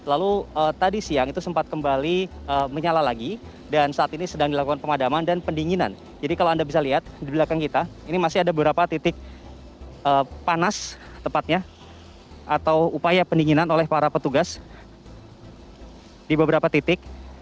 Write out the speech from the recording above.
atau upaya pendinginan oleh para petugas di beberapa titik